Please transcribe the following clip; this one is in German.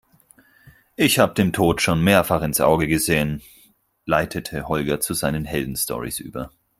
"Ich habe dem Tod schon mehrfach ins Auge gesehen", leitete Holger zu seinen Heldenstorys über.